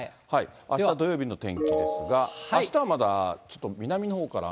あした土曜日の天気ですが、あしたはまだちょっと南のほうから雨？